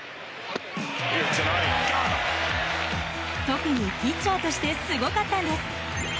特にピッチャーとしてすごかったんです。